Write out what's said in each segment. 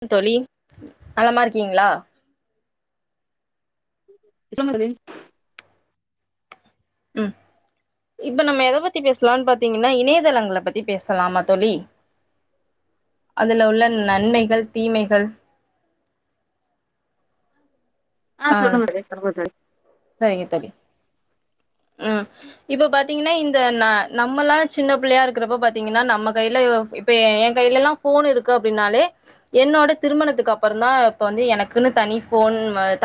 Come தோழி நலமா இருக்கீங்களா சொல்லுங்க தோழி ம் இப்ப நம்ம எத பத்தி பேசலாம்னு பாத்தீங்கனா இணையதளங்கள பத்தி பேசலாமா தோழி அதுல உள்ள நன்மைகள் தீமைகள் ஆ சொல்லுங்கே தோழி சொல்லுங்க தோழி சரிங்க தோழி ம் இப்ப பாத்தீங்கன்னா இந்த ந நம்மல்லா சின்ன பிள்ளையா இருக்குறப்ப பாத்தீங்கன்னா நம்ம கைல இப்ப ஏ ஏ கைலலா போன் இருக்கு அப்டீன்னாலே என்னோட திருமணத்துக்கு அப்புறந்தா இப்ப வந்து எனக்குன்னு தனி ஃபோன்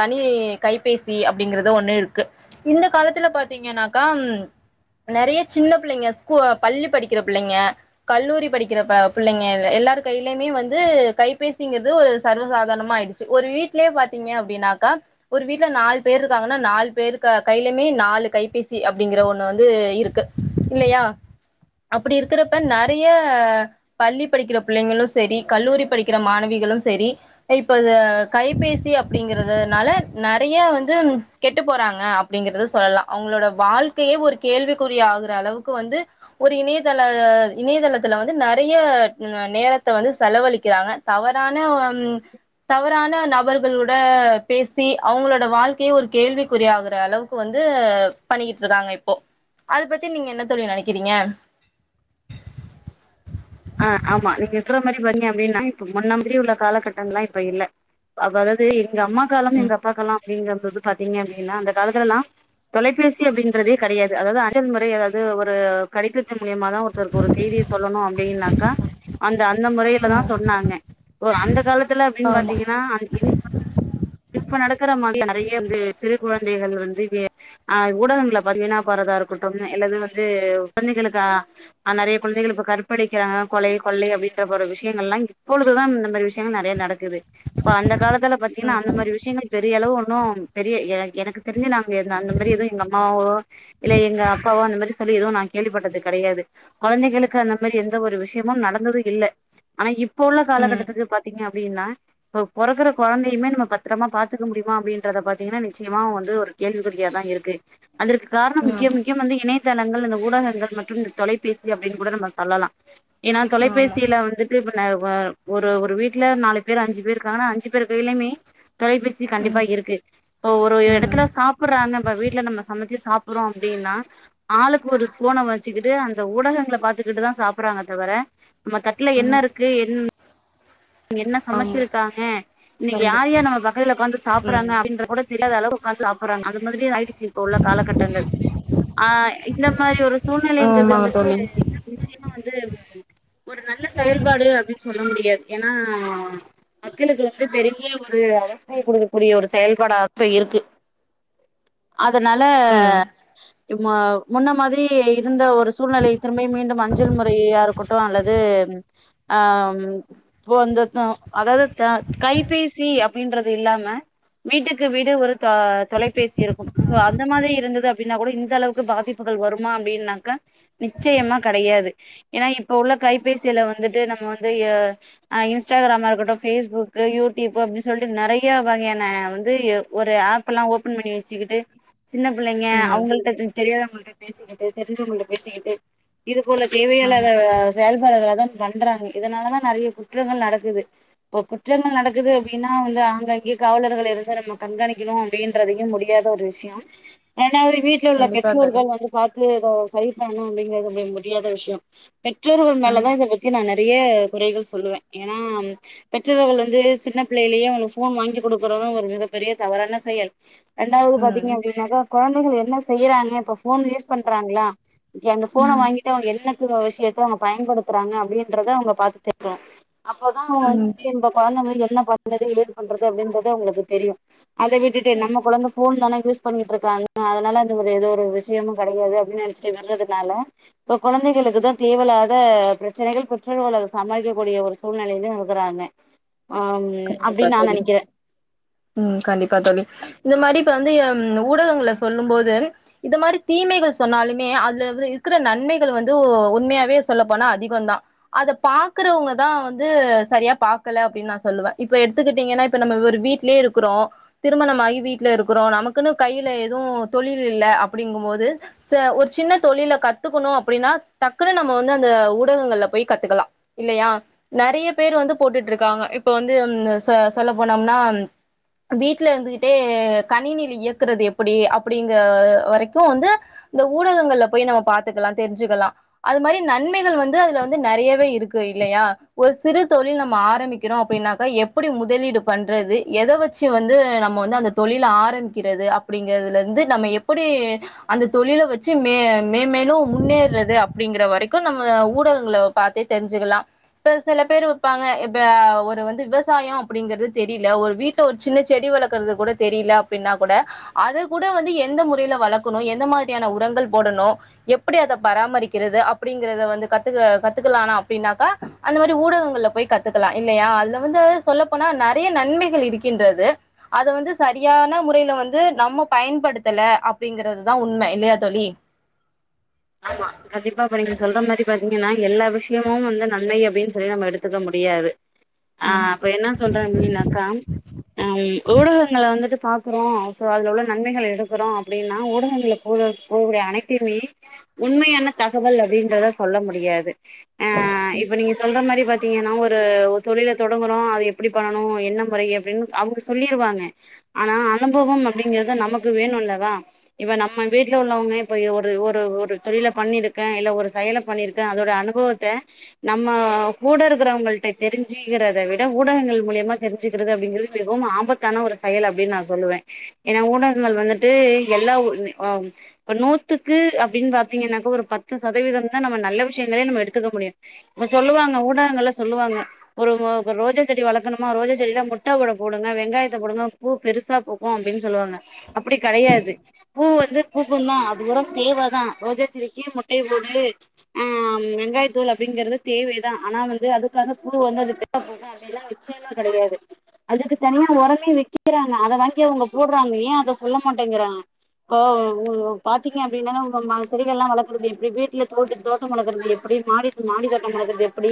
தனி கைபேசி அப்படிங்கறத ஒண்ணு இருக்கு இந்த காலத்துல பாத் பாத்தீங்கன்னாகா ம் நறிய சின்ன பிள்ளைங்க பள்ளி படிக்கிற புள்ளைங்க கல்லூரி படிக்கிற பா பிள்ளைங்க எல்லார கைலயுமே வந்து கைபேசிங்குறது ஒரு சர்வசாதாரணமாயிடுச்சு ஒரு வீட்லயே பாத்தீங்க அப்படின்னாக்கா ஒரு வீட்ல நாலு பேரு இருக்காங்கன்னா நாலு பேரு கைலுமே நாலு கைபேசி அப்படிங்கிற ஒண்ணு வந்து இருக்கு இல்லையா அப்டி இருக்கிறப்ப நறையா பள்ளி படிக்கிற பிள்ளைங்களோ சரி கல்லூரி படிக்கிற மாணவிகளும் சரி இப்போது கைபேசி அப்படிங்கறதுனால நறைய வந்து கெட்டு போறாங்க அப்படிங்கறத சொல்லலா அவங்களோட வாழ்க்கையே ஒரு கேள்விக்குற ஆகுற அளவுக்கு வந்து ஒரு இணையதள இணையதளத்துல வந்து நிறைய நேரத்தை வந்து செலவழிக்கிறாங்க தவறான உம் தவறான நபர்களோட பேசி அவுங்களோட வாழ்க்கைய ஒரு கேள்விக்குறி ஆகுற அளவுக்கு வந்து பண்ணிக்கிட்டு இருக்காங்க இப்போ அது பத்தி நீங்க என்ன தோழி நெனைக்கிறீங்க ற மாதிரி பண்ணங்க அப்படின்னா இப்ப முன்னா மாதிரி உள்ள காலகட்டங்லா இப்ப இல்ல அத அதாவது எங்க அம்மாக்காலம் ம் எங்க அப்பாக்கெல்லா நீங்க வ வது பாத்தீங்க அப்டீன்னா அந்த காலத்துலல்லா தொலைபேசி அப்டீன்றதே கெடையாது அதாவது அஞ்சல் முறை அதாவது ஒரு கடிதத் சல் மூலியமா தா ஒருத்தருக்கு ஒரு செய்திய சொல்லணோ ஈனாக்கா அந்த அந்த முறையில தான் ம் சொன்னாங்க ஒ அந்த காலத்துல அப்டின் ஆமா பாத்தீங்கன்னா இப்ப நடக்குற மாரி நிறைய வந்து சிறு குழந்தைகள் வந்து வே ஆஹ் ஊடகங்கள பதிவீனா பாறதா இருக்கட்டும் இல்லது வந்து குழந்தைகளுக்கு ஆஹ் ஆஹ் நிறைய குழந்தைகளு இப்ப கற்பழிக்கிறாங்க கொலை கொள்ளை அப்டின்ற போற விஷயங்கல்லா இப்பொழுதுதான் இந்த மாரி விஷயங்கள் நெறைய நடக்குது ப்ப அந்த காலத்துல பாத்தீங்கன்னா ம் அந் விஷயங்கள் பெரிய அளவு ஒன்னும் பெரிய எ எனக்கு தெரிஞ்சு நாங்க எந்த அந்த மாரி எதுவும் எங்க அம்மாவோ இல்ல எங்க அப்பாவோ அந்த மாரி சொல்லி எதுவும் நா கேள்விப்பட்டது கெடையாது குழந்தைகளுக்கு அந்த மாரி எந்த ஒரு விஷயமும் நடந்தது இல்ல ஆனா இப்ப உள்ள ம் காலகட்டத்துக்கு பாத்தீங்க அப்டின்னா இப்ப பொறக்கற குழந்தையுமே நம்ம பத் த்ரமா பாத்துக்க முடியுமா அப்படின்றத பாத்தீங்கனா நிச்சயமா வந்து ஒரு கேள்விக்குறியாதா இருக்கு அதற்கு காரணம் முக்கிய ஆமா முகியம் வந்து இணை தலங்கள் இந்த ஊடகங்கள் மற்றும் தொலைபேசி அப்டின் கூட நம்ம சொல்லலா ஏனா ஆமா தொலைபேசியில வந்துட்டு னை வா ஒரு ஒரு வீட்ல நாலு பேர் அஞ்சு பேருக்காங்கனா அஞ்சு பேரு கையிலயுமே தொலைபேசி கண்டிப்பா ம் இருக்கு இப்பொ ஒரு ம் எடத்துல சாப்புட்றாங்க ம்ப வீட்ல நம்ம சமைச்சி சாப்புட்றோ அப்டின்னா ஆளுக்கு ஒரு போன வச்சுக்கிட்டு அந்த ஊடகங்கள பாத்துக்கிட்டு தா சாப்புட்றாங்க தவிர நம்ம தட்ல ம் என்னருக்கு என் என்ன ஆமா சமைச்சிருக்காங்க இன்னைக்கு கண்டிப்பா யார்யா நம வகைல உட்காந்து ம் சாப்பறாங்க அப்டின்ற கூட தெரியாத அளவு உட்காந்து சாப்பிடுறாங்க அது மாரி ஆயிடுச்சு இப்ப உள்ள காலகட்டங்கள் ஆஹ் இந்த மாரி ஒரு சூழ்நிலைங்கது ஆமாங்க வந்துட்டு தோழி நிச்சயமா வந்து வ் ஒரு நல்ல செயல்பாடு அப்டின் சொல்ல முடியாது ஏனா மக்களுக்கு வந்து பெரிய ஒரு அ வஸ்தய குடுக்கக்கூடிய ஒரு செயல்பாடாத்த இருக்கு அதனால ம் மா முன்ன மாதிரி இருந்த ஒரு சூழ்நிலை திரும்பயு மீண்டும் அஞ்சல் முறையாருக்கட்டு அல்லது ஆம் இப்போ இத்த த அதாது தா கைபேசி அ பில்லாம வீட்டுக்கு வீடு ஒரு தா தொலை பேசியிருக்கும் சோ அந்த மாதிரி இருந்தது அப்டின்னா கூட இந்த அளவு க்கு பாதிப்புகள் வருமா அப்டின்னாக்க நிச்சயமா கிடையாது ஏனா இப்ப உள்ள கைபேசியில வந்துட்டு நம்ம வந்து எ ஆ இன்ஸ்டாகிராமா இருக்கட்டு பேஸ்புக்கு யூடியூப்பூ அப்டி சொல்ட்டு நெறைய வகையான வந்து எ ஒரு ஆப்பெல்லா ஓபன் பண்ணி வச்சுக்கிட்டு சின்ன பிள்ளைங்க ம் அவங்கள்ட்ட தெ தெரியாம பேசிக்கிட்டு தெரிஞ்சவங்கள்ட்ட பேசிக்கிட்டு இது போல தேவையில்லாத ஆமா [unintelligible] பண்றாங்க இதனாலதா நெறைய குற்றங்கள் நடக்குது இப்ப குற்றங்கள் நடக்குது அப்படின்னா வந்து அங்கங்கே காவலர்கள் இருந்து நம்ம கண்கணிக்கணும் அப்படின்றதையும் முடியாத ஒரு விஷயொ அ [unintelligible] வீட்ல உள்ள கண்டிப்பா தோழி பெற்றோர்கள் வந்து பார்த்து எதோ சரி பண்ணு அப்படிங்கறது ப முடியாத விஷயொ பெ ற்றோர்கள் மேல ம் தான் இத பத்தி நானு அதையே குறைகள் சொல்லுவே ஏன்னா பெற்றோர்கள் வந்து சின்ன பிள்ளையிலயே அவங்க போன் வாங்கி கொடுக்கறது ஒரு மிகப்பெரிய தவறான செயல் ரெண்டாவது ம் பாத்தீங்க அப்டின்னாக்கா கொழந்தைகள் என்ன செய்யறாங்க இப்ப ஃபோன் யூஸ் பண்றாங்களா ஒகே அந்த ஃபோன ம் வாங்கிட்டு அவங்க என்னத்துக்கு விஷயத்து அவங்க பயன்படுத்துறாங்க அப்டின்றத அவுங்க பாத்து தே யு அப்போதா அவங்க ம் வந்து இந்தப் கொழந்தைகளுக்கு என்ன பாத்த அந்த இது ஏற்பண்றது அப்டின்றது அவங்களுக்கு தெரியு அத விட்டுட்டு நம்ம கொழந்த ஃபோன் தானே யூஸ் பண்ணிட்டு இருக்காங்க அதனால அந்த ஒரு ஏதோ ஒரு விஷயமு கெடயாது அப்டின்னு நெனைச்சிட்டு விட்றதுனால இப்ப கொழந்தைகளுக்கு தா தேவயில்லா த பிரச்சனைகள் பிரச்சனைகள சமாளிக்கக் கூடிய ஒரு சூழ்நிலையில இருக்கறாங்க அம் அப்டின்னு நா நெனைக்குறே உம் கண்டிப்பா தோழி இந்த மாரி இப்ப வந்து அப் ஊடகங்கள சொல்லும் போது இது மாரி தீமைகள் சொன்னாலுமே அதுல வந்து இருக்குற நன்மைகள் வந்து ஒ உண்மையாவே சொல்ல போனா அதிகொ தா அத பாக்கறவங்கதா வந்து சரியா பாக்கல அப்டின்னு நா சொல்லுவே இப்ப எடுத்துக்கிட்டீங்கன்னா இப்ப நம்ம ஒரு வீட் லே இருக்குறோ திருமணமாகி வீட்ல இருக்குறோ நமக்குன்னு கையில எதுவு தொழில் இல்ல அப்டிங்கும் போது ச ஒரு சின்ன தொழில கத்துக்கணு அப்டின்னா டக்குனு நம்ம வந்து அந்த ஊடகங்கள்ல போய் கத்துக்கலா இல்லயா நெறய பேர் வந்து போட்டுட்டு இருக்காங்க இப்ப வந்து ச சொல்ல போனோம்னா வீட்டுல இருந்துகிட்டே கணிணில இயக்குறது எப்டி அப்டிங்கற வரைக்கு வந்து இந்த ஊடகங்கள்ல போய் நம்ம பாத்துக்கலா தெரிஞ்சுக்கலா அது மாரி நன்மைகள் வந்து அதுல வந்து நெறையவே இருக்கு இல்லையா ஒரு சிறு தொழில் நம்ம ஆரம்பிக்கிறோ அப்டின்னாக்கா எப்படி முதலீடு பண்றது எத வச்சு வந்து நம்ம வந்து அந்த தொழில ஆரம்பிக்கிறது அப்டிங்கறதுல இருந்து நம்ம எப்டி அந்த தொழில வச்சு மே மேன்மேலு முன்னேறது அப்டிங்கிற வரைக்கு நம்ம ஊடகங்கள பாத்தே தெரிஞ்சுக்கலா இப்ப சில பேர் வைப்பாங்க இப்ப ஒரு வந்து விவசாயொ அப்டிங்கறது தெரியல ஒரு வீட்ல ஒரு சின்ன செடி வளக்கறது கூட தெரில அப்டின்னா கூட அத கூட வந்து எந்த முறையில வளர்க்கணு எந்த மாதிரியான உரங்கள் போடணு எப்டி அத பராமரிக்கிறது அப்டிங்கறத வந்து கத்துக்க கத்துக்கலானா அப்டின்னாக்கா அந்த மாதிரி ஊடகங்கள்ல போய் கத்துக்கலா இல்லையா அதுல வந்து சொல்லப்போனா நெறய நன்மைகள் இ இருக்கின்றது அத வந்து சரியான முறையில வந்து நம்ம பயன்படுத்தல அப்டிங்கறதுதா உண்ம இல்லையா தோழி ஆமா கண்டிப்பா இப்ப நீங்க சொல்ற மாரி பாத்தீங்கன்னா எல்லா விஷயமு வந்து நன்மை அப்டின்னு சொல்லி நம்ம எடுத்துக்க முடியாது ம் ஆஹ் அப்ப என்ன சொல்றே அப்டீனாக்கா உஹ் ஊடகங்கள வந்துட்டு பாக்குறோ சோ அதுல உள்ள நன்மைகள் எடுக்கறோ அப்டின்னா ஊடகங்கள்ல போக போகூடிய அனைத்தையுமே உண்மையான தகவல் அப்டின்றத சொல்ல முடியாது ஆஹ் இப்ப நீங்க சொல்ற மாரி பாத் தீங்கன்னா ஒரு ஒரு தொழில தொடங்கறோ அது எப்டி பண்ணனு என்ன முறை அப்டின்னு அவங்க சொல்லிருவாங்க ஆனா அனுபவம் அப்டிங்கறத நமக்கு வேணு இல்லவா இப்ப நம்ம வீட்டுல உள்ளவங்க இப்ப ஒரு ஒரு ஒரு தொழில பண்ணிருக்கே இல்ல ஒரு செயல பண்ணிருக்கே அதோட அனுபவத்த நம்ம கூட இருக்கறவங்கள்ட்ட தெரிஞ்சுக்கிறத விட ஊடகங்கள் மூலியமா தெரிஞ்சுக்குறது அப்டிங்கிறது மிகவும் ஆபத்தான ஒரு செயல் அப்டின்னு நா சொல்லுவே ஏன்னா ஊடகங்கள் வந்துட்டு எல்லா ம் இப்ப நோத்துக்கு அப்டின்னு பாத் தீங்கனாக்க ஒரு பத்து சதவீதம் தா நம்ம நல்ல விஷயங்களே நம்ம எடுத்துக்க முடியு இப்ப சொல்லுவாங்க ஊடகங்கள் எல்லா சொல்லுவாங்க ஒரு ஒ ரோஜா செடி வளக்கணுமா ரோஜா செடியில முட்ட ஓட போடுங்க வெங்காய த்த போடுங்க பூ பெருசா பூக்கும் அப்டின்னு சொல்லுவாங்க அப்டி கெடயாது பூ வந்து பூக்கும் தா அது வந்து சேவ தா ரோஜா செடிக்கி மு டை ஓடு ஆஹ் வெங்காய தோள் அப்டிங்கறது தேவைதா ஆனா வந்து அதுக்காக பூ வந்ததுக்கு அப்டியெல்லா அதையெல்ல வச்சதலா கெடையாது அதுக்கு தனியா உரமே வைக்கிறாங்க அத வாங்கி அவங்க போடுறாங்க ஏ அத சொல்ல மாட்டேங்கறாங்க ப ஊ பாத்தீங்க அப்டின்னா உங்க மனசு செடிகள் எல்லா வளக்கறது எப்டி வீட்ல தோட்டு தோட்டம் வளக்கறது எப்டி மாடிட்டு மாடி தோட்டம் வளக்கறது எப்டி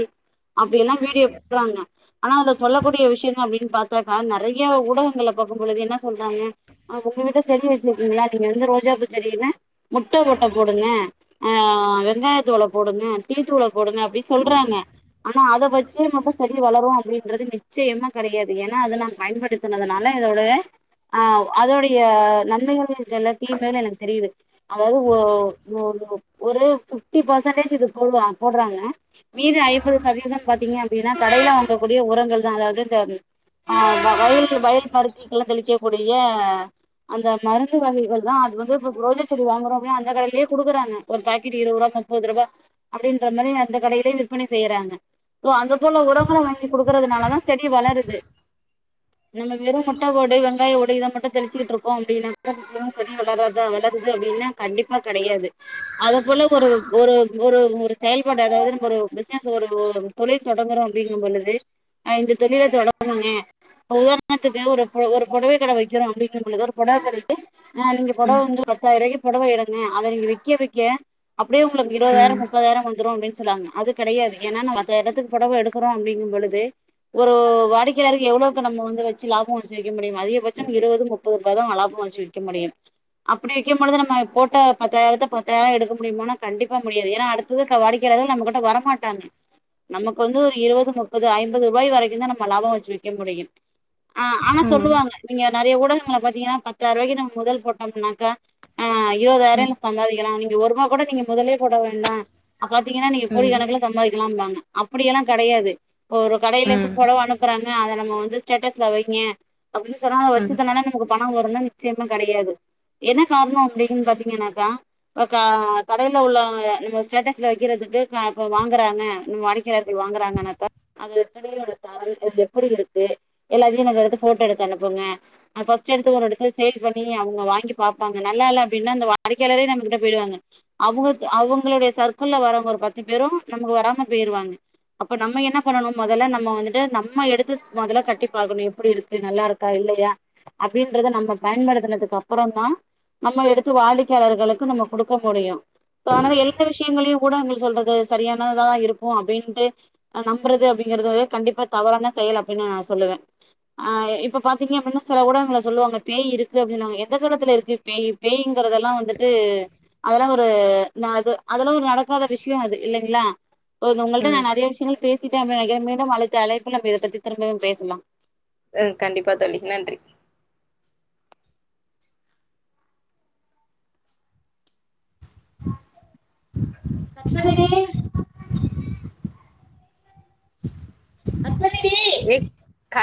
அப்டின்னா வீடியோ [inaudible] றாங்க ஆனா அதுல சொல்லக்கூடிய விஷயங்க அப்டின்னு பாத் ஆஹ் நெறய ஊடகங்கள பாக்கும் பொழுது என்ன சொல்றாங்க அ உங்க வீட்ல செடி வெச்சிருக்கிங்களா நீங்க வந்து ரோஜா பூ செடியில்ல முட்ட ஓ ட்ட போடுங்க ஆ வெங்காயத்தோள போடுங்க டீ தூளப் போடுங்க அப்டி சொல்றாங்க ஆனா அத வெச்சு மட்டு செடி வளரு அப்டின்றது நிச்சயமா கெடயாத் ஏன்னா அத நா பயன்படுத் துனதுனால இதோடய ஆ அதோடைய நன்மைகள் எனக்கு தெர்ல தீமைகள் எனக்கு தெரியுது அதாவது ப்போ ஒரு பிப்டி பர்சன்டேஜ் இது போடு போடறாங்க மீதி ஐம்பது சதவீதோ பாத்தீங்க அப்டின்னா கடைல வாங்கக்கூடிய உரங்கள்தா அதாவ்து த்தேன் ஆஹ் வயல் வயல் பருத்திகள் தெளிக்கக் கூடிய அந்த மருந்து வகைகள்தா அது வந்து இப் ரோஜா செடி வாங்கறோ கடலயே குடுக்குறாங்க ஒரு பேக்கெட் இருபது ரூபா முப்பது ரூபா அப்டின்ற மாரி அந்த கடைலே விற்பனை செய்றாங்க ஓ அந்த போல உரமு வாங்கி கொடுக்கறதுனாலதா செடி வளருது நம்ம வெறும் முட்ட ஓடு வெங்காய ஓடு இத மட்டு தெளிச்சிட்டு இருக்கோ அப்டினா [unintelligible] செடி வளராதா வளருது அப்டின்னு கண்டிப்பா கெடையாது அத போல ஒரு ஒரு ஒரு ஒரு செயல்பாடு அதாவது நம்ம ஒரு பிஸ்னஸ் ஒரு ஒர் தொழில் தொடங்குறோ அப்டிங்கும் பொழுது ஐந்து தொழில தொடங்கணுமே உதாரணத்துக்கு ஒரு பொ ஒரு பொடவ கட வைக்கிறோ அப்டிங்கும் பொழுது ஒரு பொடவ கடைக்கு நானு இங் பொடவ வந்து பத்தாய்ர்வாய் பொடவ எடுங்க அத நீங்க விக்கரிக்கே அப்படியே உங்களுக்கு இருவதாய்ர முப்பதாய்ர வந்துரு அப்டின்னு சொல்லாங்க அது கெடையாது ஏன்னா நா பத்தாயிறத்துக் பொடவ எடுக்றோ அப்டிங்குபொழுது ஒரு வாடிக்கையாளருக்கு எவ்ளவுக்கு நம்ம வந்து வச்சு லாபம் வச்ச விக் [unintelligible] அதிகபட்சோ இருவது முப் முப்பர்ருவதா லாப வெச் விக்க முடியு அப்படி விக் மொழுது நம்ம போட்ட பத்தாயிரத்த பத்தாயிர எடுக்க முடியும்னா கண்டிப்பா முடியாது ஏன்னா அடுத்தது வாடிக்கையாளர் நம்மகிட்ட வரமாட்டாங்க நமக்கு வந்து ஒரு இருவது முப்பது ஐம்பது ரூபாய் வரைக்குதா நம்ம லாபம் வச்சு விக்க முடியு ஆ ஆனா ம் சொல்லுவாங்க நீங்க நெறையா ஊடகங்கள பாத்தீங்கன்னா பத்தாய்ர்வாய்க்கு நம்ம முதல் போட்டம்னாக்கா இருவதாய்ற சம்பாதிக்கலா நீங் நீங் ஒருரூபா கூட நீங்க முதலே போட வேண்டா அப்ப பாத்திங்கன்னா நீங்க கோடி ம் கணக்குல சம்பதிக்கலாம்பாங்க அப்படி எல்லா கெடையாது ஒரு கடைல இருந்து ம் பொடவ அனுப்பறாங்க அத நம் ப்ப வந்து ஸ்டேட்டஸ்ல வைங்க அப்டின்னு சொன்ன ம் வச்சத்துனால நமக்கு பண வருனு நிச்யமா கெடையாது ஏன்னா காரண அப்டின்னு பாத்தீங்கன்னாக்கா ப்ப க கடைல உள்ள நம்ம ஸ்டேட்டஸ்ல வைக்கிறதுக்கு இப் இப்ப வாங்கறாங்க நம்ம வாடிக்கையர்கள் வாங்கறாங்கனாக்கா அது துணியோட தரம் அது எப்டி இருக்கு எல்லாத்தையு நம்ம எடுத்து போட்டோ எடுத்து அனுப்புங்க அ பஸ்டே எடுத்து ஒர்ரெடத்ல சேவ் பண்ணி அவங்க வாங்கி ப்பாங்க நல்லால்ல அப்டினா அந்த வாடிக்கையாளரே நம்ம கிட்ட பேய்டுவாங்க அவங்கள்க் அவங்களுடைய சர்க்கிள்ல வரவங் ஒரு பத் த்து பேரும் நமக்கு வராம போயிருவாங்க. அப்ப நம்ம என்ன பண்ணணும் முதல்ல நம்ம வந்துட்டு நம்ம எடுத்து முதல்ல கட்டி பாக்கணும் எப்டி இருக்கு நல்லா இருக்கா இல்லையா அப்படின்றத நம்ம பயன்படுத்தனதுக்கு அப்புறம் தான் நம்ம எடுத்து வாடிக்கையாளர்களுக்கு நம்ம குடுக்க முடியும். அதனால எல்லா விஷயங்களையும் ஊடகங்கள் சொல்றது சரியானததாதான் இருக்கும் அப்படின்ட்டு நம்பறது அப்படிங்கறத கண்டிப்பா தே தவறான செயல் அப்படின்னு நா சொல்லுவேன். ஆ இப்ப பாத்திங்க அப்படின்னா சில ஊடகங்கள் சொல்லுவாங்க பேய் இருக்கு அப்படின்னுவாங்க [unintelligible] பேய் பேய்ங்கறதெல்லாம் வந்துட்டு அதெல்லாம் ஒரு நா அதெல்லாம் ஒரு நடக்காத விஷயம் அது இல்லைங்களா? உங்கள்ட்ட ம் நான் நெறைய விஷயங்கள் பேசி அப்டினு நெனைக்கறேன். மீண்டும் அடுத்த அழைப்புல நம்ம இதை பத்தி திரும்பவும் பேசலாம் ம் கண்டிப்பா தோழி நன்றி [inaudible] கத்தாதிடி கட் பண்ணிடு எ